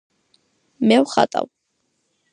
მე ვხატავ